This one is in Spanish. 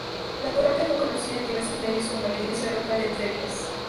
La parroquia fue conocida en diversos medios como "la iglesia roja de Entrevías".